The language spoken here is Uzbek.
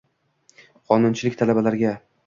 qonunchilik talablariga